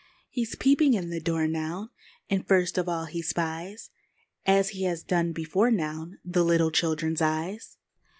He's peeping in the door now, And first of all he spies, As he has done before now, The little children's eyes!